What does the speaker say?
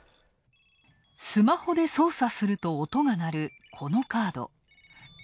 スマホで操作すると音が鳴る、このカード。